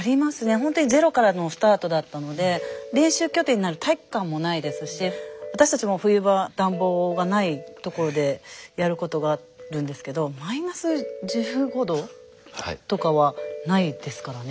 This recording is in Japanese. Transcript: ほんとにゼロからのスタートだったので練習拠点になる体育館もないですし私たちも冬場暖房がないところでやることがあるんですけどマイナス１５℃とかはないですからね。